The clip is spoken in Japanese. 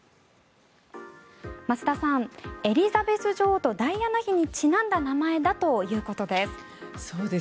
増田さん、エリザベス女王とダイアナ妃にちなんだ名前だということです。